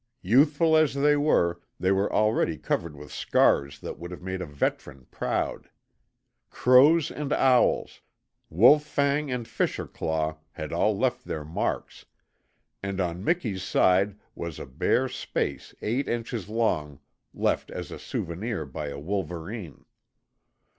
Youthful as they were, they were already covered with scars that would have made a veteran proud. Crows and owls, wolf fang and fisher claw had all left their marks, and on Miki's side was a bare space eight inches long left as a souvenir by a wolverine.